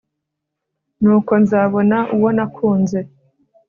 nuko nzabona uwo nakunze